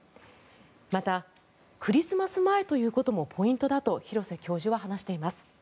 また、クリスマス前ということもポイントだと廣瀬教授は話しています。